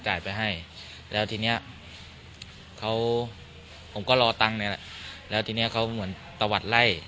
ไปให้แล้วทีเนี้ยเขาผมก็รอตังค์เนี่ยแหละแล้วทีเนี้ยเขาเหมือนตะวัดไล่